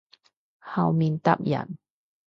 後面搭人